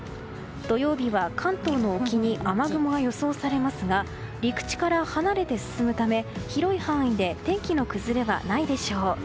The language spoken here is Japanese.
土曜日は関東の沖に雨雲が予想されますが陸地から離れて進むため広い範囲で天気の崩れはないでしょう。